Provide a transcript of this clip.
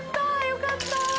よかった！